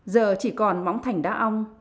giờ chỉ còn móng thảnh đá ong